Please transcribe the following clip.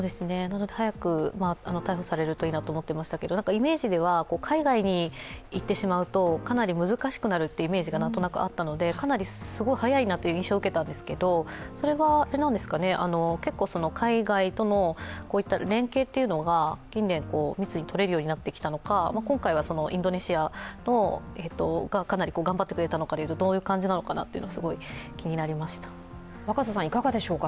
早く逮捕されるといいなと思っていましたけど、イメージでは海外に行ってしまうとかなり難しくなるというイメージがなんとなくあったので、かなり、すごい早いなという印象を受けたんですが、それは結構海外とのこういった連携が近年、密に取れるようになってきたのか、今回はインドネシアがかなり頑張ってくれたのか、どういう感じなのかなというのはすごい気になりました。